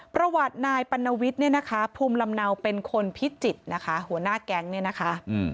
ประวัตินายปัณวิทย์เนี่ยนะคะภูมิลำเนาเป็นคนพิจิตรนะคะหัวหน้าแก๊งเนี่ยนะคะ